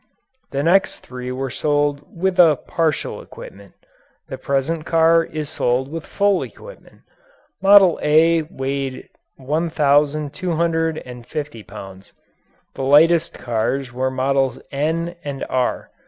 The next three were sold with a partial equipment. The present car is sold with full equipment. Model "A" weighed 1,250 pounds. The lightest cars were Models "N" and "R."